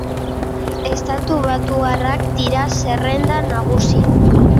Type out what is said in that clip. Estatubatuarrak dira zerrendan nagusi.